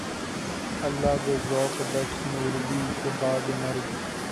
اللہ رے ذوقِ دشت نوردی! کہ بعدِ مرگ